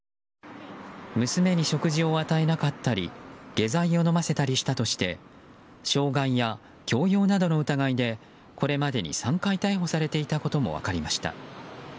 娘に食事を与えなかったり下剤を飲ませたりしたとして傷害や強要などの疑いでこれまでに３回逮捕されていたことも分かりました。